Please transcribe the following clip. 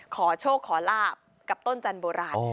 ขอโชคขอลาบกับต้นจันโบราณ